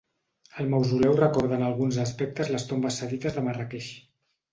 El mausoleu recorda en alguns aspectes les tombes sadites de Marràqueix.